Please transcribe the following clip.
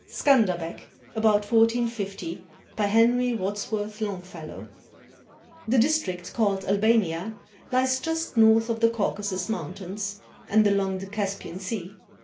SCANDERBEG [About 1450] BY HENRY WADSWORTH LONGFELLOW [The district called Albania lies just north of the Caucasus Mountains and along the Caspian Sea.